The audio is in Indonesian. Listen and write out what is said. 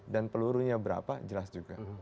dan pelurunya berapa jelas juga